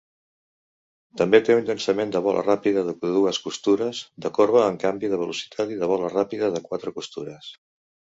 També té un llançament de bola ràpida de dues costures, de corba, amb canvi de velocitat i de bola ràpida de quatre costures.